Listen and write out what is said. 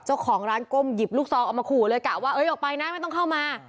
เจ้าของร้านก้มหยิบลูกซองเอามาขู่เลยกะว่าเอ้ยออกไปนะไม่ต้องเข้ามา